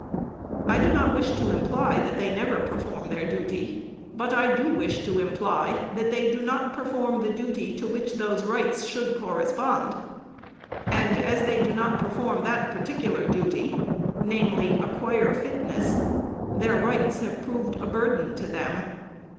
I do not wish to imply that they never perform their duty, but I do wish to imply that they do not perform the duty to which those rights should correspond; and, as they do not perform that particular duty, namely, acquire fitness, their rights have proved a burden to them.